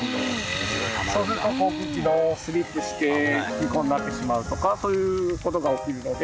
そうすると航空機がスリップして事故になってしまうとかそういう事が起きるので。